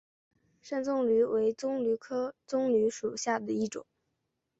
山棕榈为棕榈科棕榈属下的一个种。